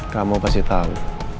kamu pasti tahu